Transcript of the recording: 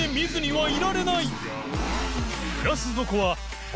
はい。